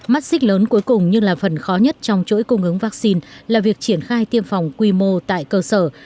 mắt xích lớn cuối cùng nhưng là phần khó nhất trong chối cung ứng vắc xin là việc triển khai tiêm phòng quy mô tại cơ sở